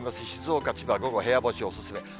静岡、千葉、午後、部屋干しお勧め。